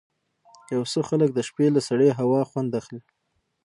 یو څه خلک د شپې له سړې هوا خوند اخلي.